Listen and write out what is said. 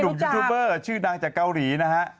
เพื่อนดุมยูทูบเบอร์ชื่อนางจากเกาหลีนะฮะ